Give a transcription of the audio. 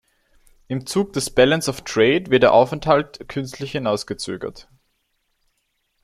Im Zug des "„balance of trade“" wird ihr Aufenthalt künstlich hinausgezögert.